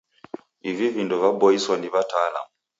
Ivi vindo vaboiswa ni w'ataalamu.